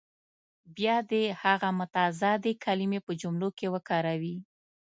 بیا دې هغه متضادې کلمې په جملو کې وکاروي.